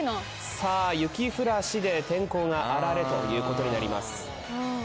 さぁゆ天候があられということになります。